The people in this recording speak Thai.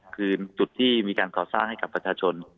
คือจุดที่มีการก่อสร้างให้กับประชาชน